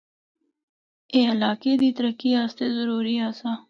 اے علاقے دی ترقی آسطے ضروری آسا۔